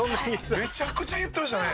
めちゃくちゃ言ってましたね。